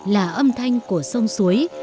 là âm thanh của sông suối